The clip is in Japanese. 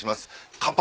乾杯！